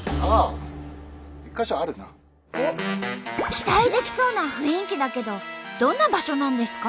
期待できそうな雰囲気だけどどんな場所なんですか？